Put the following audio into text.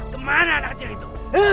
kemana anak kecil itu